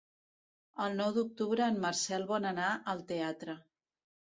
El nou d'octubre en Marcel vol anar al teatre.